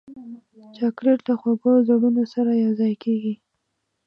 چاکلېټ له خوږو زړونو سره یوځای کېږي.